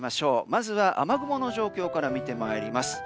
まずは雨雲の状況から見てまいります。